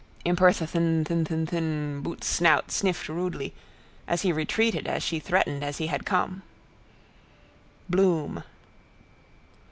—Imperthnthn thnthnthn, bootssnout sniffed rudely, as he retreated as she threatened as he had come. Bloom.